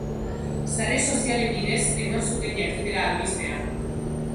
Sare sozialen bidez eman zuten jakitera albistea.